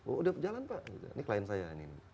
oh udah jalan pak ini klien saya ini